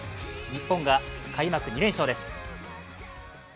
日本が開幕２連勝です。